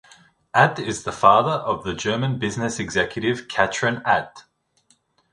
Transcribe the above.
Adt is the father of the German business executive Katrin Adt.